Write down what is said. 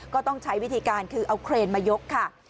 ก็ต้องใช้วิธีการคือเอาเครนมายกค่ะ